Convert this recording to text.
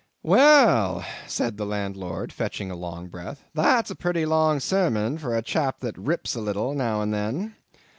"Wall," said the landlord, fetching a long breath, "that's a purty long sarmon for a chap that rips a little now and then.